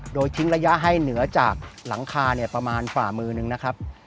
โดยทิ้งระยะให้เหนือจากหลังคาประมาณฝ่ามือนึงนะครับ